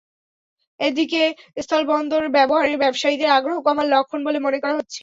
এটিকে স্থলবন্দর ব্যবহারে ব্যবসায়ীদের আগ্রহ কমার লক্ষণ বলে মনে করা হচ্ছে।